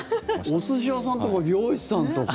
お寿司屋さんとか美容師さんとか。